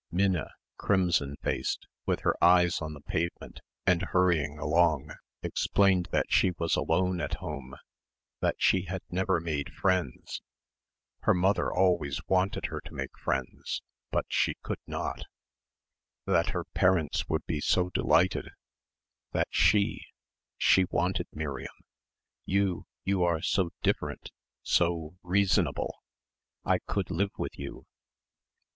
Minna, crimson faced, with her eyes on the pavement and hurrying along explained that she was alone at home, that she had never made friends her mother always wanted her to make friends but she could not that her parents would be so delighted that she, she wanted Miriam, "You, you are so different, so reasonable I could live with you."